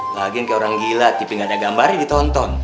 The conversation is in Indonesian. lagian kayak orang gila tipe gak ada gambarnya ditonton